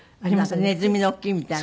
ネズミの大きいみたいな。